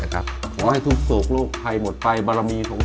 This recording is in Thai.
กระทุ่ง